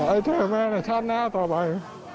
ให้เธอแม่ในชาติหน้าต่อไป